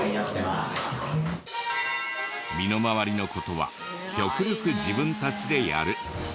身の回りの事は極力自分たちでやる。